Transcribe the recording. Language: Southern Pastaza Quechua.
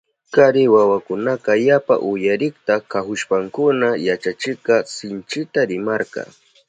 Kari wawakunaka yapa uyarikta kahushpankuna yachachikka sinchita rimarka.